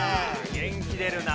元気出るな。